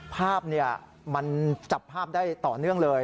ภาพมันจับภาพได้ต่อเนื่องเลย